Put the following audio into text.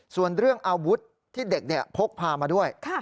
ส่วนเรื่องอาวุธที่เด็กพกพามาด้วย